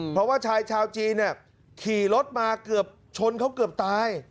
เพราะว่าชายชาวจีนขี่รถมาเกือบชนเขาเกือบตาย